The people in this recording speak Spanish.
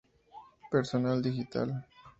Personal digital.